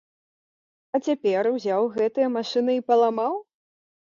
А цяпер узяў гэтыя машыны і паламаў?